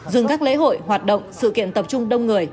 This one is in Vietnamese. dừng các lễ hội hoạt động sự kiện tập trung đông người